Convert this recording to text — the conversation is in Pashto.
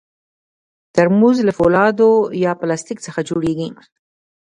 ترموز له فولادو یا پلاستیک څخه جوړېږي.